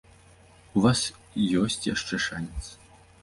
У вас ёсць яшчэ шанец!